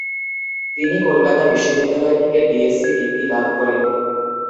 তিনি কলকাতা বিশ্ববিদ্যালয় থেকে ডিএসসি ডিগ্রি লাভ করেন।